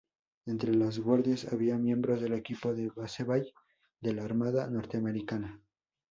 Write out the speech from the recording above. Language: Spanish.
Entre los guardias había miembros del equipo de baseball de la Armada Norteamericana.